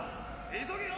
急げよ。